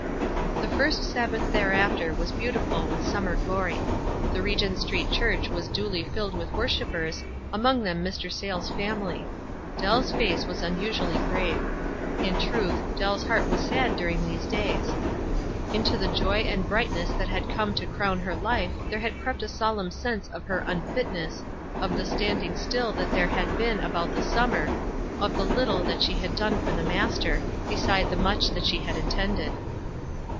The first Sabbath thereafter was beautiful with summer glory. The Regent Street Church was duly filled with worshipers, among them Mr. Sayles' family. Dell's face was unusually grave. In truth, Dell's heart was sad during these days. Into the joy and brightness that had come to crown her life there had crept a solemn sense of her unfitness, of the standing still that there had been about the summer, of the little that she had done for the Master, beside the much that she had intended.